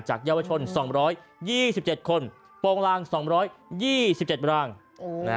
จากเยาวชนสองร้อยยี่สิบเจ็ดคนโปรงลางสองร้อยยี่สิบเจ็ดร่างโอ้โห